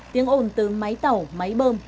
tiếng ồn từ máy tàu máy bơm